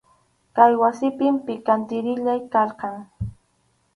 Kay wasipim pikantiriya karqan.